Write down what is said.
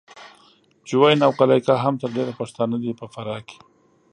جوین او قلعه کا هم تر ډېره پښتانه دي په فراه کې